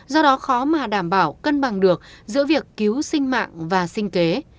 do đó khó mà đảm bảo cân bằng được giữa việc cứu sinh mạng và sinh kế